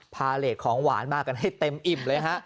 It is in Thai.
พาเลสของหวานมากันให้เต็มอิ่มเลยฮะ